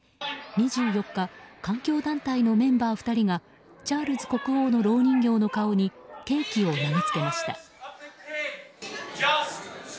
２４日環境団体のメンバー２人がチャールズ国王のろう人形の顔にケーキを投げつけました。